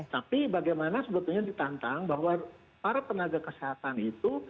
tapi bagaimana sebetulnya ditantang bahwa para tenaga kesehatan itu